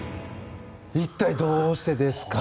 一体どうしてですか？